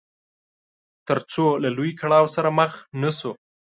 تر څو له لوی کړاو سره مخ نه شو.